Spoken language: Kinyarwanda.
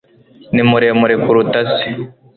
ni muremure kuruta se